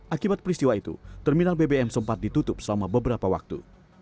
akibat peristiwa itu terminal bbm sempat ditutup selama beberapa waktu